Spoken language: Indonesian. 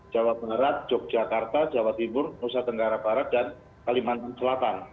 jawa barat yogyakarta jawa timur nusa tenggara barat dan kalimantan selatan